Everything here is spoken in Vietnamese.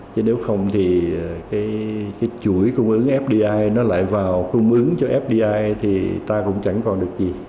chứ nếu không thì cái chuỗi cung ứng fdi nó lại vào cung ứng cho fdi thì ta cũng chẳng còn được gì